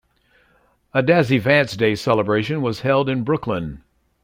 A Dazzy Vance Day celebration was held in Brooklyn.